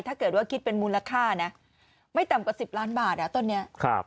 ถ้าเกิดว่าคิดเป็นมูลค่านะไม่ต่ำกว่า๑๐ล้านบาทต้นนี้